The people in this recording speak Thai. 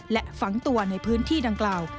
และฝังตัวในพื้นที่ดังกล่าว